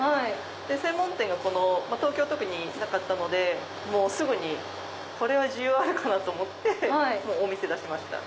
専門店が東京は特になかったのですぐに需要あるかなと思ってお店出しました。